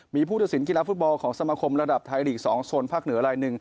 มีผู้เจอสินกีฬาฟุตบอลของสมคมระดับไทยหลีก๒ส่วนภาคเหนือราย๑